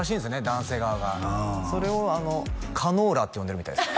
男性側がそれを「カノーラ」って呼んでるみたいです